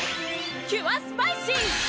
キュアスパイシー！